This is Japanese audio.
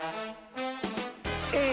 え